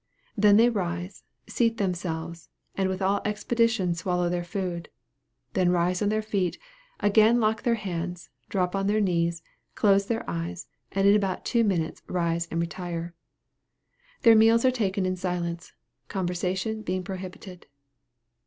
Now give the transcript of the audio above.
Then they rise, seat themselves, and with all expedition swallow their food; then rise on their feet, again lock their hands, drop on their knees, close their eyes, and in about two minutes rise and retire. Their meals are taken in silence, conversation being prohibited.